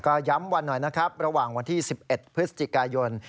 ก็ย้ำวันหน่อยนะครับระหว่างวันที่๑๑พฤศจิกายน